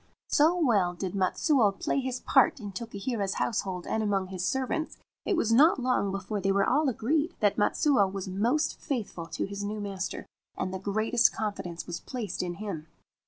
So well did Matsuo play his part in Tokihira's house hold and among his servants, it was not long before they were all agreed that Matsuo was most faithful to his new master, and the greatest confidence was placed in him.